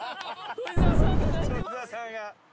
富澤さんが。